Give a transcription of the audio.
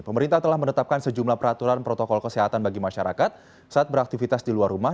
pemerintah telah menetapkan sejumlah peraturan protokol kesehatan bagi masyarakat saat beraktivitas di luar rumah